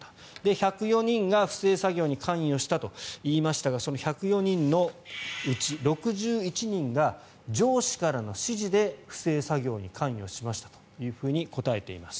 １０４人が不正作業に関与したと言いましたがその１０４人のうち６１人が上司からの指示で不正作業に関与しましたと答えています。